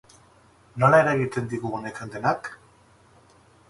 Nola eragiten digu honek denak?